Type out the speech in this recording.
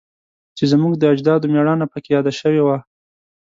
چې زموږ د اجدادو میړانه پکې یاده شوی وه